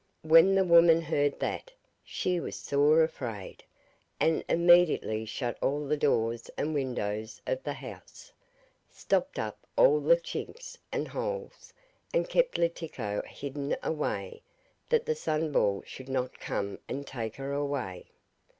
When the woman heard that she was sore afraid, and immediately shut all the doors and windows of the house, stopped up all the chinks and holes, and kept Letiko hidden away, that the Sunball should not come and take her away.